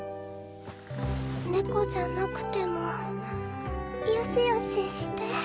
猫じゃなくてもよしよしして